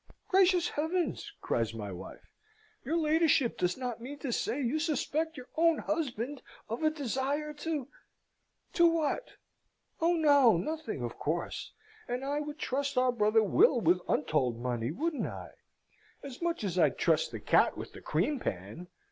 "Gracious heavens!" cries my wife, "your ladyship does not mean to say you suspect your own husband of a desire to " "To what? Oh no, nothing, of course! And I would trust our brother Will with untold money, wouldn't I? As much as I'd trust the cat with the cream pan!